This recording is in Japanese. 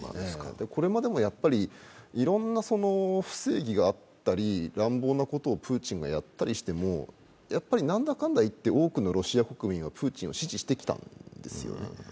これまでもいろんな不正規があったり、乱暴なことをプーチンがやったりしてもなんだかんだ言って多くのロシア国民はプーチンを支持してきたんですよね。